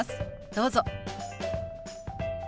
どうぞ。